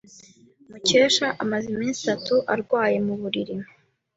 Mukesha amaze iminsi itatu arwaye mu buriri.